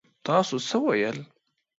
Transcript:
تاسو څه ويل؟